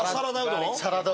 サラダ